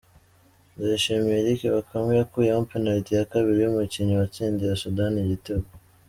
Ndayishimiye Eric Bakame yakuyemo penaliti ya kabiri y’umukinnyi watsindiye Soudan igitego.